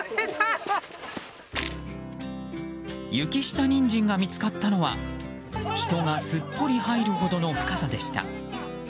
雪下ニンジンが見つかったのは人がすっぽり入るほどの深さでした。